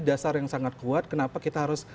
dasar yang sangat kuat kenapa kita harus